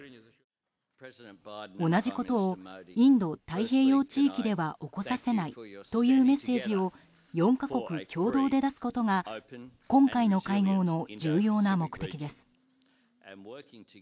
同じことをインド太平洋地域では起こさせないというメッセージを４か国共同で出すことが今回の会合の重要な目的です。